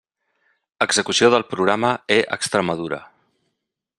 Execució del Programa e-Extremadura.